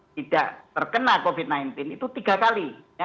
tidak terkena covid sembilan belas itu tiga kali